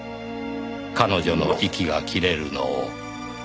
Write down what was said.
「彼女の息が切れるのを」